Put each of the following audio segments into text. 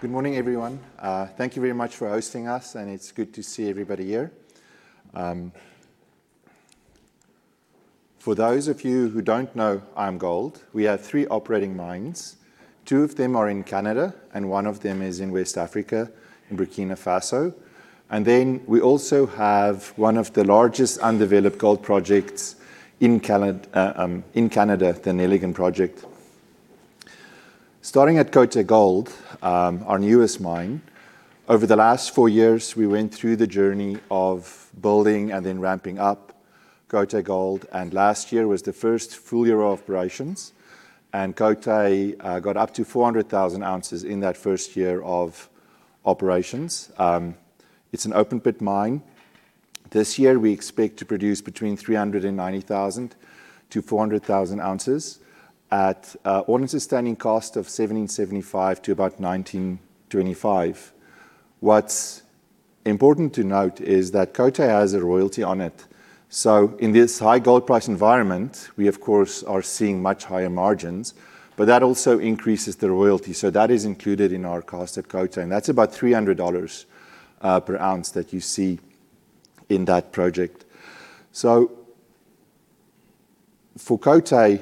Good morning, everyone. Thank you very much for hosting us, and it's good to see everybody here. For those of you who don't know IAMGOLD, we have three operating mines. Two of them are in Canada, and one of them is in West Africa, in Burkina Faso. We also have one of the largest undeveloped gold projects in Canada, the Nelligan project. Starting at Côté Gold, our newest mine, over the last four years, we went through the journey of building and then ramping up Côté Gold, and last year was the first full year of operations. Côté got up to 400,000 ounces in that first year of operations. It's an open-pit mine. This year we expect to produce between 390,000-400,000 ounces at all-in sustaining cost of $1,775-$1,925. What's important to note is that Côté has a royalty on it. In this high gold price environment, we of course, are seeing much higher margins, but that also increases the royalty. That is included in our cost at Côté, and that's about $300 per ounce that you see in that project. For Côté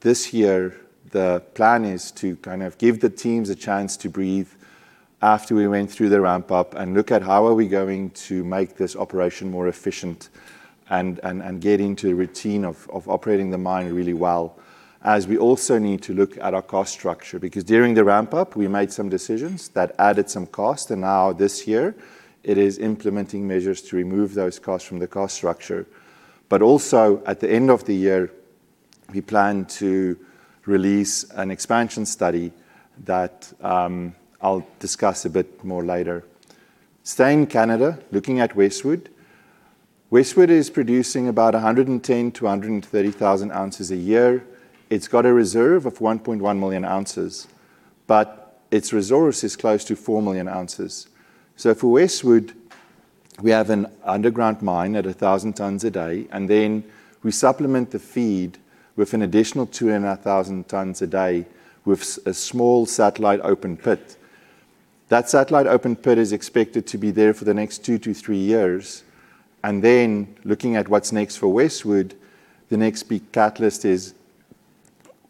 this year, the plan is to give the teams a chance to breathe after we went through the ramp-up, and look at how are we going to make this operation more efficient and get into a routine of operating the mine really well, as we also need to look at our cost structure. Because during the ramp-up, we made some decisions that added some cost, and now this year it is implementing measures to remove those costs from the cost structure. Also, at the end of the year, we plan to release an expansion study that I'll discuss a bit more later. Staying in Canada, looking at Westwood is producing about 110,000-130,000 ounces a year. It's got a reserve of 1.1 million ounces, but its resource is close to 4 million ounces. For Westwood, we have an underground mine at 1,000 tons a day, and then we supplement the feed with an additional 200,000 tons a day with a small satellite open pit. That satellite open pit is expected to be there for the next two to three years. Looking at what's next for Westwood, the next big catalyst is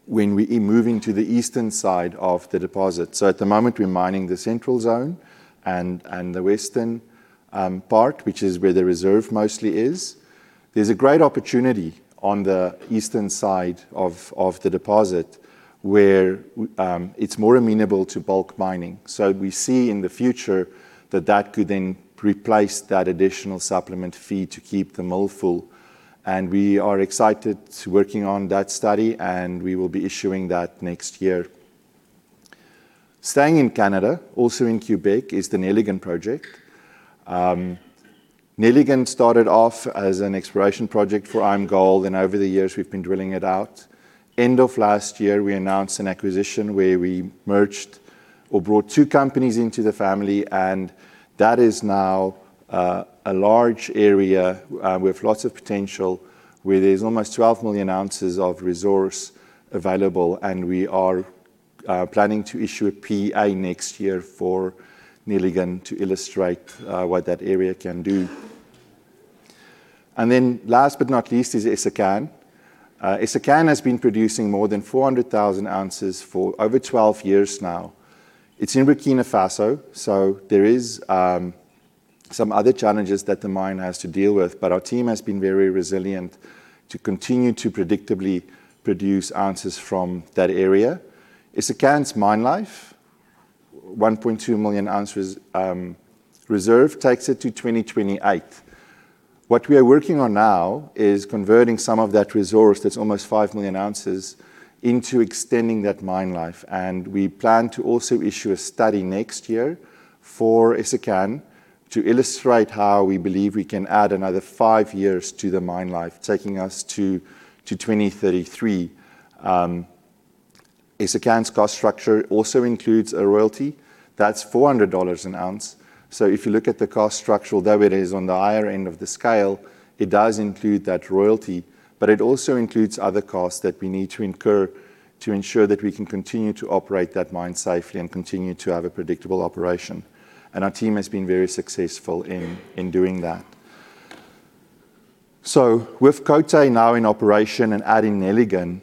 when we move into the eastern side of the deposit. At the moment, we're mining the central zone and the western part, which is where the reserve mostly is. There's a great opportunity on the eastern side of the deposit where it's more amenable to bulk mining. We see in the future that could then replace that additional supplement feed to keep the mill full. We are excited to working on that study, and we will be issuing that next year. Staying in Canada, also in Quebec, is the Nelligan project. Nelligan started off as an exploration project for IAMGOLD, and over the years we've been drilling it out. End of last year, we announced an acquisition where we merged or brought two companies into the family, and that is now a large area, with lots of potential, where there's almost 12 million ounces of resource available. We are planning to issue a PEA next year for Nelligan to illustrate what that area can do. Last but not least is Essakane. Essakane has been producing more than 400,000 ounces for over 12 years now. It's in Burkina Faso, so there is some other challenges that the mine has to deal with. Our team has been very resilient to continue to predictably produce ounces from that area. Essakane's mine life, 1.2 million ounces reserve, takes it to 2028. What we are working on now is converting some of that resource that's almost 5 million ounces into extending that mine life. We plan to also issue a study next year for Essakane to illustrate how we believe we can add another five years to the mine life, taking us to 2033. Essakane's cost structure also includes a royalty that's $400 an ounce. If you look at the cost structure, although it is on the higher end of the scale, it does include that royalty, but it also includes other costs that we need to incur to ensure that we can continue to operate that mine safely and continue to have a predictable operation. Our team has been very successful in doing that. With Côté now in operation and adding Nelligan,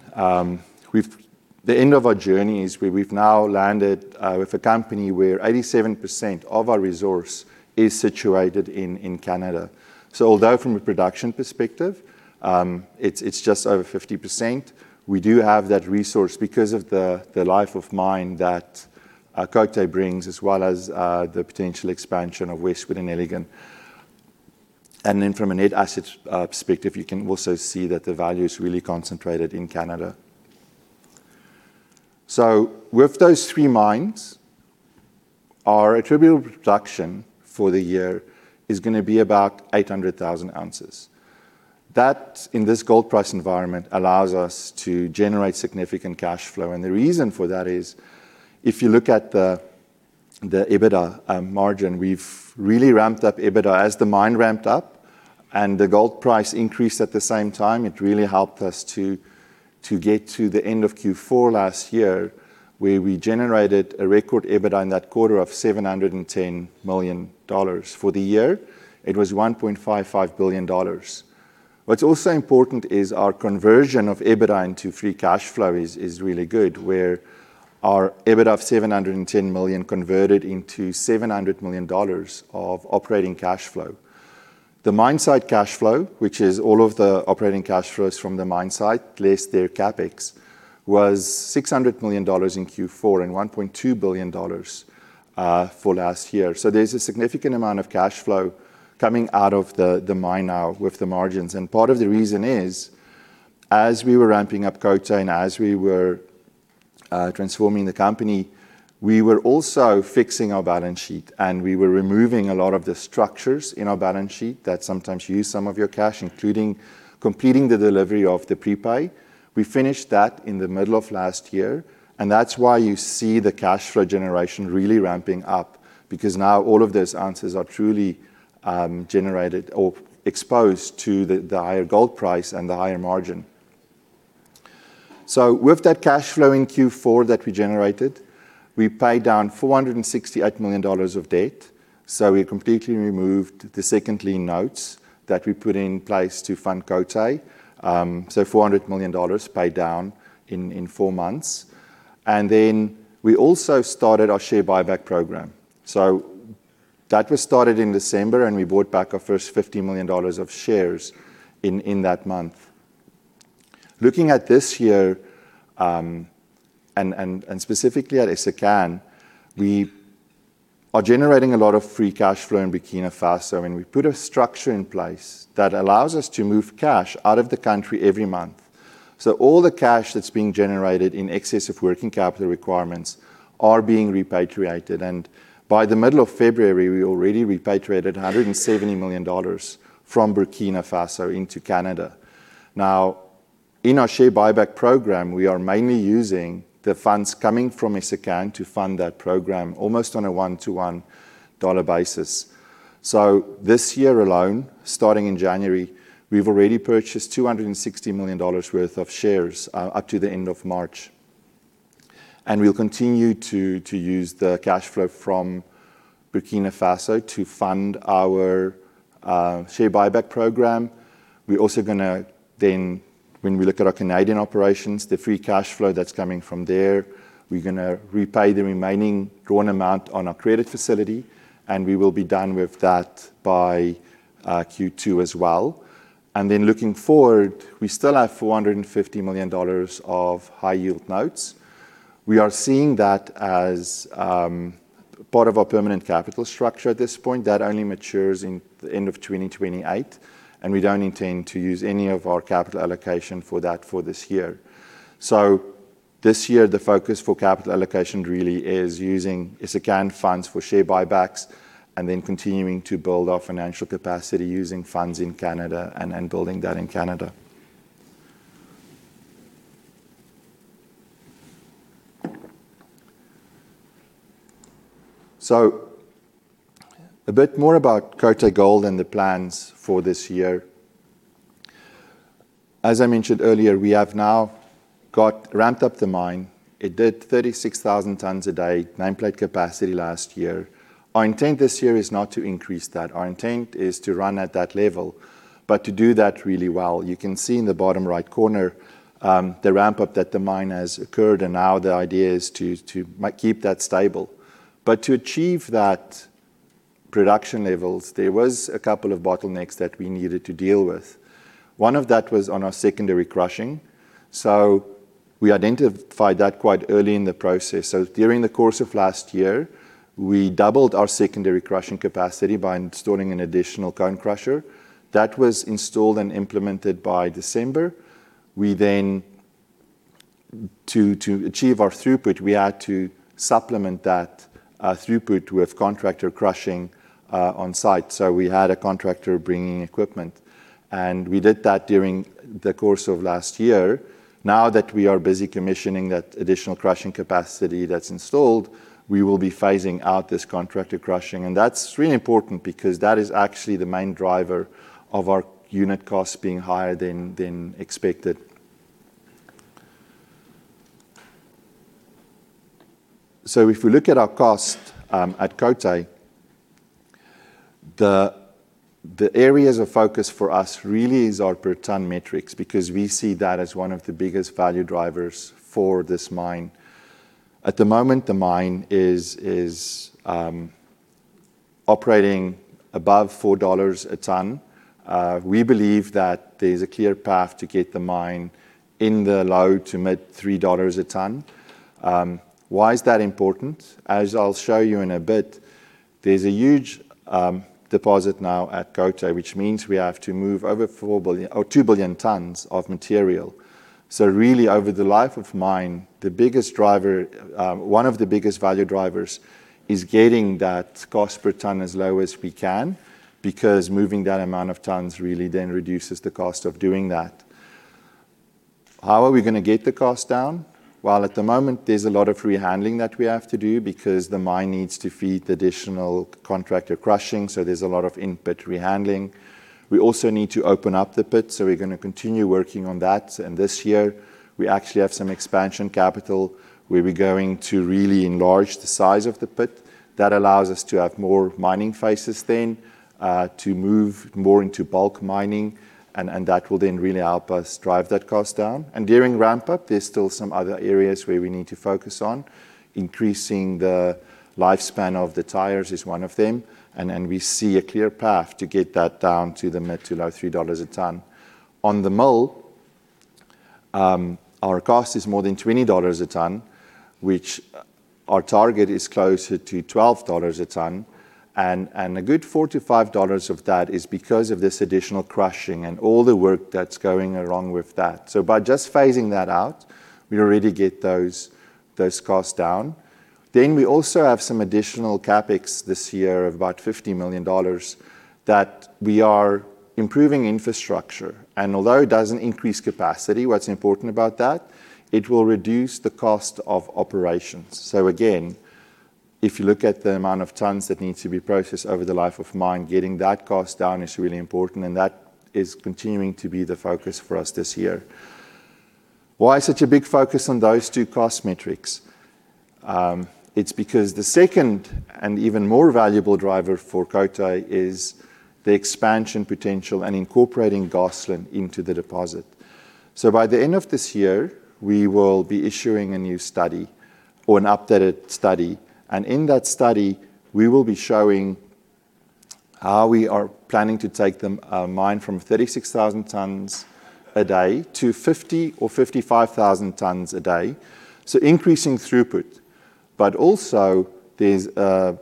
the end of our journey is where we've now landed with a company where 87% of our resource is situated in Canada. Although from a production perspective, it's just over 50%, we do have that resource because of the life of mine that Côté brings, as well as the potential expansion of Westwood and Nelligan. From a net asset perspective, you can also see that the value is really concentrated in Canada. With those three mines, our attributable production for the year is going to be about 800,000 ounces. That, in this gold price environment, allows us to generate significant cash flow, and the reason for that is, if you look at the EBITDA margin, we've really ramped up EBITDA. As the mine ramped up and the gold price increased at the same time, it really helped us to get to the end of Q4 last year, where we generated a record EBITDA in that quarter of $710 million. For the year, it was $1.55 billion. What's also important is our conversion of EBITDA into free cash flow is really good, where our EBITDA of $710 million converted into $700 million of operating cash flow. The mine site cash flow, which is all of the operating cash flows from the mine site, less their CapEx, was $600 million in Q4 and $1.2 billion for last year. There's a significant amount of cash flow coming out of the mine now with the margins. Part of the reason is, as we were ramping up Côté and as we were transforming the company, we were also fixing our balance sheet and we were removing a lot of the structures in our balance sheet that sometimes use some of your cash, including completing the delivery of the prepay. We finished that in the middle of last year, and that's why you see the cash flow generation really ramping up, because now all of those ounces are truly generated or exposed to the higher gold price and the higher margin. With that cash flow in Q4 that we generated, we paid down $468 million of debt. We completely removed the second lien notes that we put in place to fund Côté Gold. $400 million paid down in four months. We also started our share buyback program. That was started in December, and we bought back our first $50 million of shares in that month. Looking at this year, and specifically at Essakane, we are generating a lot of free cash flow in Burkina Faso, and we put a structure in place that allows us to move cash out of the country every month. All the cash that's being generated in excess of working capital requirements are being repatriated. By the middle of February, we already repatriated $170 million from Burkina Faso into Canada. Now, in our share buyback program, we are mainly using the funds coming from Essakane to fund that program almost on a one-to-one dollar basis. So this year alone, starting in January, we've already purchased $260 million worth of shares up to the end of March. And we'll continue to use the cash flow from Burkina Faso to fund our share buyback program. We're also going to then, when we look at our Canadian operations, the free cash flow that's coming from there, we're going to repay the remaining drawn amount on our credit facility, and we will be done with that by Q2 as well. And then looking forward, we still have $450 million of high-yield notes. We are seeing that as part of our permanent capital structure at this point, that only matures in the end of 2028, and we don't intend to use any of our capital allocation for that for this year. This year, the focus for capital allocation really is using Essakane funds for share buybacks and then continuing to build our financial capacity using funds in Canada and building that in Canada. A bit more about Côté Gold and the plans for this year. As I mentioned earlier, we have now ramped up the mine. It did 36,000 tons a day, nameplate capacity last year. Our intent this year is not to increase that. Our intent is to run at that level. To do that really well, you can see in the bottom right corner, the ramp-up that the mine has occurred, and now the idea is to keep that stable. To achieve that production levels, there was a couple of bottlenecks that we needed to deal with. One of that was on our secondary crushing. We identified that quite early in the process. During the course of last year, we doubled our secondary crushing capacity by installing an additional cone crusher. That was installed and implemented by December. To achieve our throughput, we had to supplement that throughput with contractor crushing on site. We had a contractor bringing equipment, and we did that during the course of last year. Now that we are busy commissioning that additional crushing capacity that's installed, we will be phasing out this contractor crushing, and that's really important because that is actually the main driver of our unit costs being higher than expected. If we look at our cost at Côté Gold, the areas of focus for us really is our per ton metrics, because we see that as one of the biggest value drivers for this mine. At the moment, the mine is operating above $4 a ton. We believe that there's a clear path to get the mine in the low to mid $3 a ton. Why is that important? As I'll show you in a bit, there's a huge deposit now at Côté Gold, which means we have to move over 2 billion tons of material. Really over the life of mine, one of the biggest value drivers is getting that cost per ton as low as we can, because moving that amount of tons really then reduces the cost of doing that. How are we going to get the cost down? Well, at the moment, there's a lot of rehandling that we have to do because the mine needs to feed the additional contractor crushing, so there's a lot of input rehandling. We also need to open up the pit, so we're going to continue working on that. This year we actually have some expansion capital where we're going to really enlarge the size of the pit. That allows us to have more mining faces then to move more into bulk mining, and that will then really help us drive that cost down. During ramp-up, there's still some other areas where we need to focus on. Increasing the lifespan of the tires is one of them, and we see a clear path to get that down to the mid to low $3 a ton. On the mill, our cost is more than $20 a ton, which our target is closer to $12 a ton, and a good $4-$5 of that is because of this additional crushing and all the work that's going along with that. By just phasing that out, we already get those costs down. We also have some additional CapEx this year of about $50 million that we are improving infrastructure. Although it doesn't increase capacity, what's important about that, it will reduce the cost of operations. So again, if you look at the amount of tons that need to be processed over the life of mine, getting that cost down is really important, and that is continuing to be the focus for us this year. Why such a big focus on those two cost metrics? It's because the second and even more valuable driver for Côté is the expansion potential and incorporating Gosselin into the deposit. So by the end of this year, we will be issuing a new study or an updated study, and in that study, we will be showing how we are planning to take the mine from 36,000 tons a day to 50,000 or 55,000 tons a day. So increasing throughput. But also there's the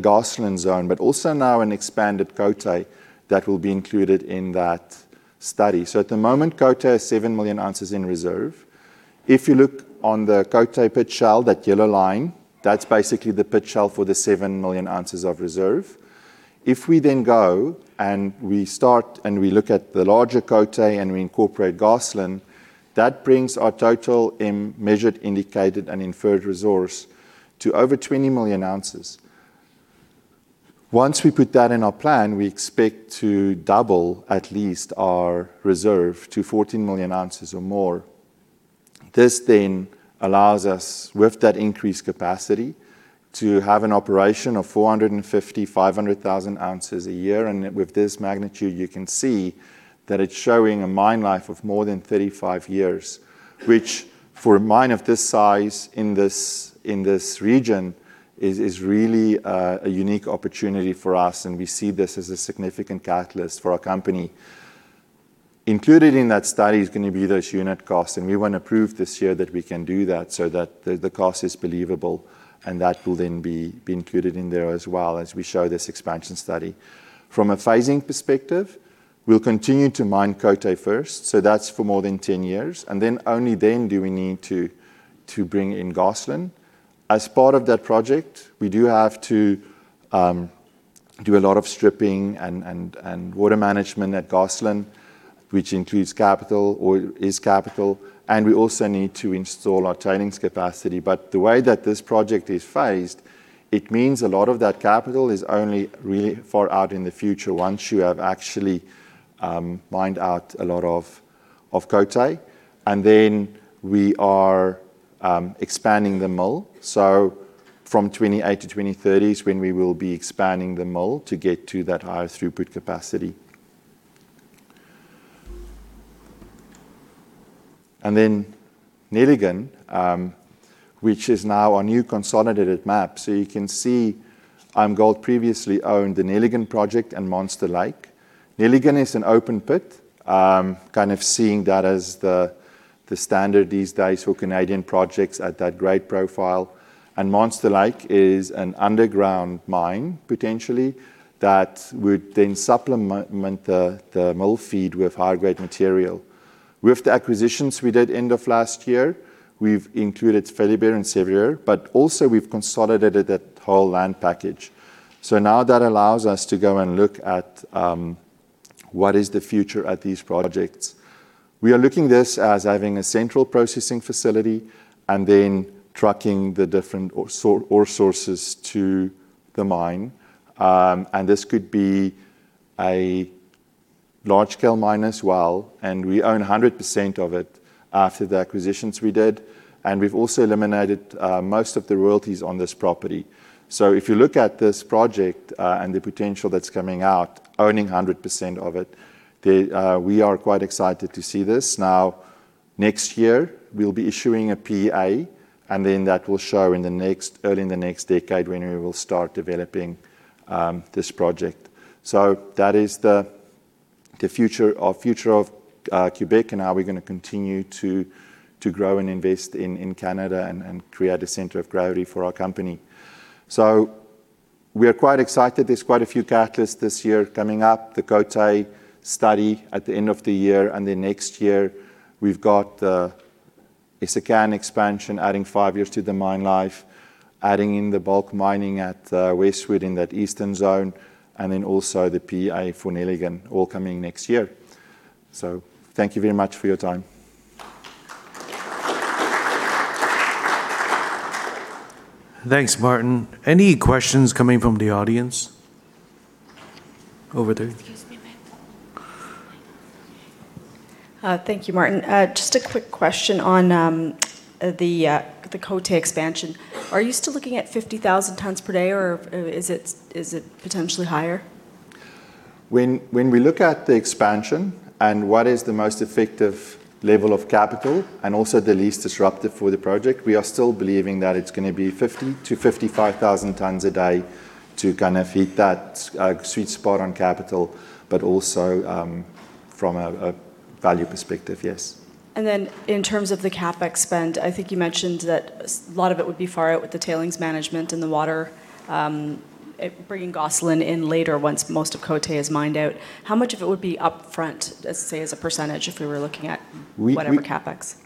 Gosselin zone, but also now an expanded Côté that will be included in that study. So at the moment, Côté has seven million ounces in reserve. If you look on the Côté pit shell, that yellow line, that's basically the pit shell for the 7 million ounces of reserve. If we then go and we start and we look at the larger Côté and we incorporate Gosselin, that brings our total Measured, Indicated, and Inferred Resource to over 20 million ounces. Once we put that in our plan, we expect to double at least our reserve to 14 million ounces or more. This then allows us, with that increased capacity, to have an operation of 450,000-500,000 ounces a year. With this magnitude, you can see that it's showing a mine life of more than 35 years, which for a mine of this size in this region is really a unique opportunity for us, and we see this as a significant catalyst for our company. Included in that study is going to be those unit costs, and we want to prove this year that we can do that so that the cost is believable, and that will then be included in there as well as we show this expansion study. From a phasing perspective, we'll continue to mine Côté first, so that's for more than 10 years, and then only then do we need to bring in Gosselin. As part of that project, we do have to do a lot of stripping and water management at Gosselin, which includes capital or is capital, and we also need to install our tailings capacity. The way that this project is phased, it means a lot of that capital is only really far out in the future once you have actually mined out a lot of Côté. We are expanding the mill. From 2028-2030 is when we will be expanding the mill to get to that higher throughput capacity. Nelligan, which is now our new consolidated map, you can see IAMGOLD previously owned the Nelligan project and Monster Lake. Nelligan is an open pit, kind of seeing that as the standard these days for Canadian projects at that grade profile. Monster Lake is an underground mine, potentially, that would then supplement the mill feed with higher-grade material. With the acquisitions we did end of last year, we've included Philibert and Chevrier, but also we've consolidated that whole land package. Now that allows us to go and look at what is the future at these projects. We are looking this as having a central processing facility and then trucking the different ore sources to the mine, and this could be a large-scale mine as well, and we own 100% of it after the acquisitions we did. We've also eliminated most of the royalties on this property. If you look at this project and the potential that's coming out, owning 100% of it, we are quite excited to see this. Now, next year we'll be issuing a PEA, and then that will show early in the next decade when we will start developing this project. That is the future of Quebec and how we're going to continue to grow and invest in Canada and create a center of gravity for our company. We are quite excited. There's quite a few catalysts this year coming up, the Côté study at the end of the year, and then next year we've got the Essakane expansion, adding five years to the mine life, adding in the bulk mining at Westwood in that eastern zone, and then also the PEA for Nelligan all coming next year. Thank you very much for your time. Thanks, Maarten. Any questions coming from the audience? Over there. Excuse me a minute. Thank you, Maarten. Just a quick question on the Côté expansion. Are you still looking at 50,000 tons per day, or is it potentially higher? When we look at the expansion and what is the most effective level of capital and also the least disruptive for the project, we are still believing that it's going to be 50,000-55,000 tons a day to kind of hit that sweet spot on capital, but also, from a value perspective, yes. In terms of the CapEx spend, I think you mentioned that a lot of it would be far out with the tailings management and the water, bringing Gosselin in later once most of Côté is mined out. How much of it would be upfront, let's say, as a %, if we were looking at whatever CapEx?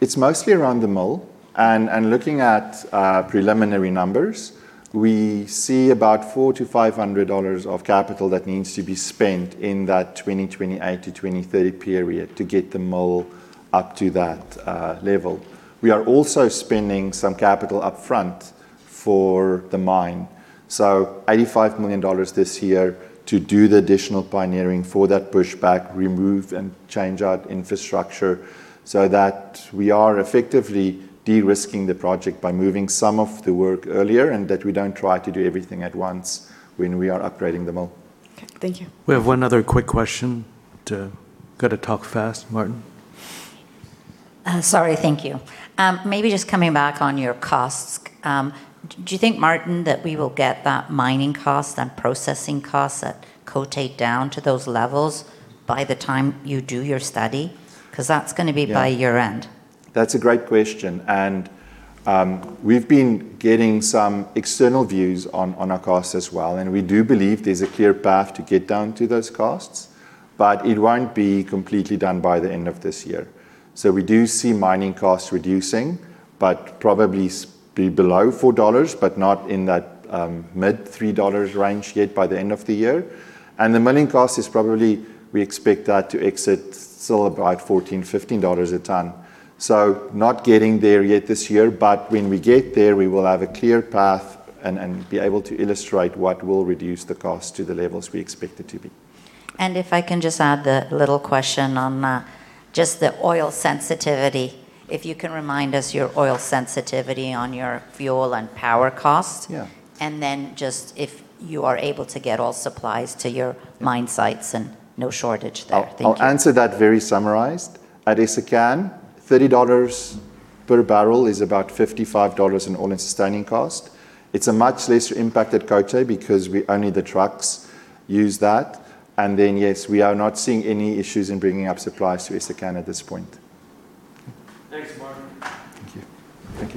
It's mostly around the mill, and looking at preliminary numbers, we see about $400 million-$500 million of capital that needs to be spent in that 2028-2030 period to get the mill up to that level. We are also spending some capital upfront for the mine, $85 million this year to do the additional pioneering for that pushback, remove and change out infrastructure so that we are effectively de-risking the project by moving some of the work earlier and that we don't try to do everything at once when we are upgrading the mill. Okay. Thank you. We have one other quick question. Got to talk fast, Maarten. Sorry. Thank you. Maybe just coming back on your costs, do you think, Maarten, that we will get that mining cost and processing cost at Côté down to those levels by the time you do your study, because that's going to be by year-end? That's a great question, and we've been getting some external views on our costs as well, and we do believe there's a clear path to get down to those costs, but it won't be completely done by the end of this year. We do see mining costs reducing, but probably be below $4, but not in that mid-$3 range yet by the end of the year. The milling cost is probably, we expect that to exit still about $14-$15 a ton. Not getting there yet this year, but when we get there, we will have a clear path and be able to illustrate what will reduce the cost to the levels we expect it to be. If I can just add a little question on just the oil sensitivity, if you can remind us your oil sensitivity on your fuel and power costs? Just if you are able to get all supplies to your mine sites and no shortage there? Thank you. I'll answer that very summarized. At Essakane, $30 per barrel is about $55 in all-in sustaining cost. It's a much lesser impact at Côté because only the trucks use that. Yes, we are not seeing any issues in bringing up supplies to Essakane at this point. Thanks, Maarten. Thank you.